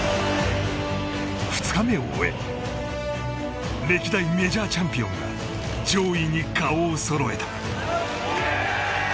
２日目を終え歴代メジャーチャンピオンが上位に顔をそろえた。